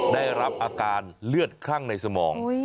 ได้รับอาการเลือดคลั่งในสมอง